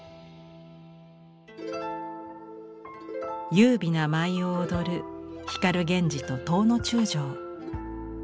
優美な舞を踊る光源氏と頭中将。